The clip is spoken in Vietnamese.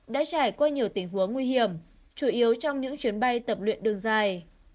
đã trải qua nhiều tình huống nguy hiểm chủ yếu trong những chuyến bay tập luyện đường dài